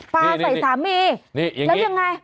ปลาใส่สามีแล้วยังไง